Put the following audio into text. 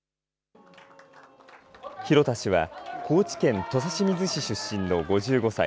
広田氏は高知県土佐清水市出身の５５歳。